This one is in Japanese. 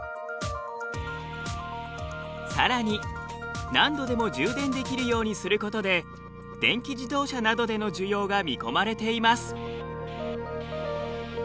さらに何度でも充電できるようにすることで電気自動車などでの需要が見込まれています。